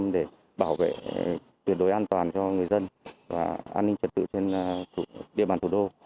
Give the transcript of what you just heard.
để bảo vệ tuyệt đối an toàn cho người dân và an ninh trật tự trên địa bàn thủ đô